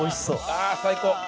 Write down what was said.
ああ最高。